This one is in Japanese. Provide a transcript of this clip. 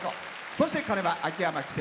そして鐘は秋山気清。